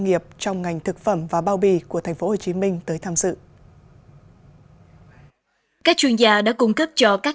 nghiệp trong ngành thực phẩm và bao bì của tp hcm tới tham dự các chuyên gia đã cung cấp cho các